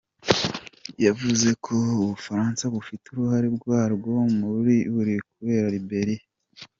Yavuze ko "Ubufaransa bufite uruhare bwarwo mu biri kubera muri Libiya.